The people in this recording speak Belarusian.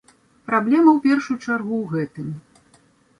Праблема, у першую чаргу, у гэтым.